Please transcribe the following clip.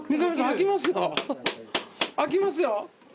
開きますよ！